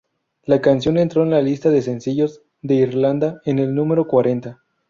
La canción entró en la lista de sencillos de Irlanda en el número cuarenta.